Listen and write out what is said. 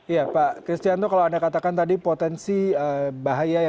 iya pak christian itu kalau anda katakan tadi potensi bahaya